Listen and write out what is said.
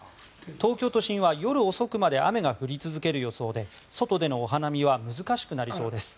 東京都心は夜遅くまで雨が降り続ける予想で外でのお花見は難しくなりそうです。